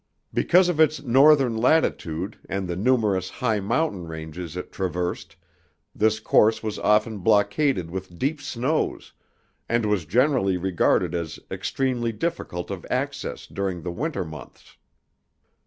Because of its northern latitude and the numerous high mountain ranges it traversed, this course was often blockaded with deep snows and was generally regarded as extremely difficult of access during the winter months.